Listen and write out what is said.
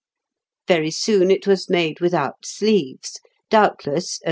_ Very soon it was made without sleeves doubtless, as M.